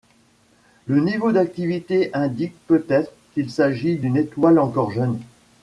Le niveau d'activité indique peut-être qu'il s'agit d'une étoile encore jeune.